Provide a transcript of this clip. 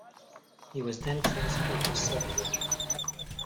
He was then transferred to subediting.